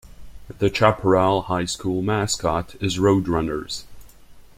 The Chaparral High School mascot is Roadrunners.